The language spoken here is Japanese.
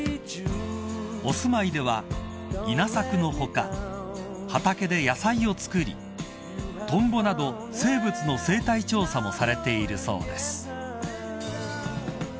［お住まいでは稲作の他畑で野菜を作りトンボなど生物の生態調査もされているそうです］